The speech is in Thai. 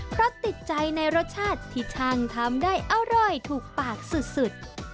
เพราะติดใจในรสชาติที่ช่างทำได้อร่อยถูกปากสุด